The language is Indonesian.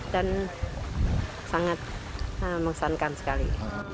dan sangat mengesankan sekali